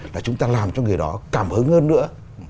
là chúng ta làm cho người đó cảm hứng hơn nữa